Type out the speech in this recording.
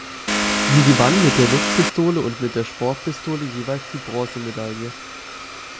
Sie gewann mit der Luftpistole und mit der Sportpistole jeweils die Bronzemedaille.